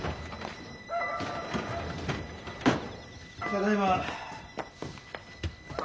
ただいま。